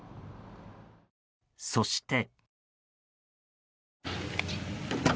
そして。